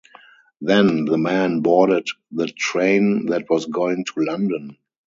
Then, the man boarded the train that was going to London.